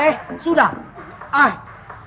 sekarang lanjutkan lagi kerbutannya